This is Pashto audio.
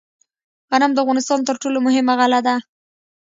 غنم د افغانستان تر ټولو مهمه غله ده.